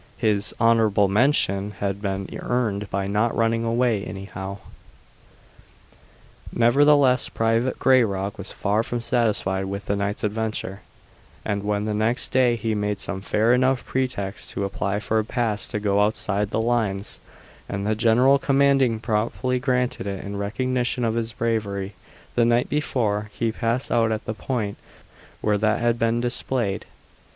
His "honorable mention" had been earned by not running away anyhow. Nevertheless, Private Grayrock was far from satisfied with the night's adventure, and when the next day he made some fair enough pretext to apply for a pass to go outside the lines, and the general commanding promptly granted it in recognition of his bravery the night before, he passed out at the point where that had been displayed.